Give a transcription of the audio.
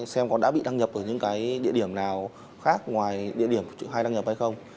xem có đã bị đăng nhập ở những cái địa điểm nào khác ngoài địa điểm hay đăng nhập hay không